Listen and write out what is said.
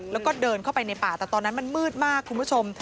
แล้วก็เดินเข้าไปในป่าแต่ตอนนั้นมันมืดมากคุณผู้ชม